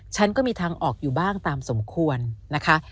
ฉันก็มีทางออกอยู่บ้างตามสมควรนะคะ